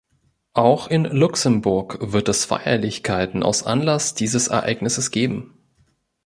Auch in Luxemburg wird es Feierlichkeiten aus Anlass dieses Ereignisses geben.